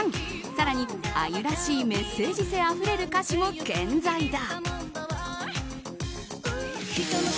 更にあゆらしいメッセージ性あふれる歌詞も健在だ。